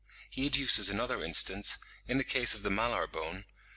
He adduces another instance, in the case of the malar bone (40.